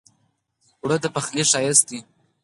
اوړه د پخلي ښايست دی